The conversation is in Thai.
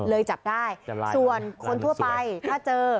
เลยจับได้จับอะไรส่วนคนทั่วไปถ้าเจอ